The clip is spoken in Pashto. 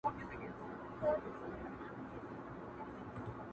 كوم خوشال به لړزوي په كټ كي زړونه!